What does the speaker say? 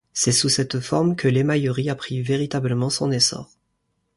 C'est sous cette forme que l'émaillerie a pris véritablement son essor.